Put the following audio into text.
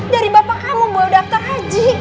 dari bapak kamu boleh daftar haji